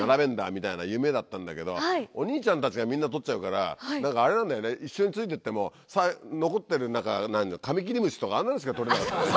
みたいな夢だったんだけどお兄ちゃんたちがみんな捕っちゃうから何かあれなんだよね一緒について行っても残ってるカミキリムシとかあんなのしか捕れなかったね。